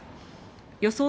予想